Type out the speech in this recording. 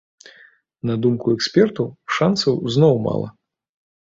На думку экспертаў, шансаў зноў мала.